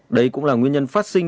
đấy cũng là nguyên nhân phát sinh